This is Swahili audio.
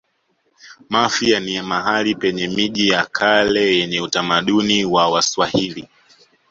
mafia ni mahali penye miji ya kale yenye utamaduni wa waswahili